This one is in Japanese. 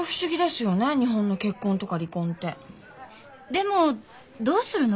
でもどうするの？